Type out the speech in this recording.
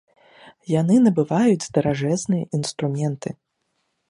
Яны набываюць даражэзныя інструменты.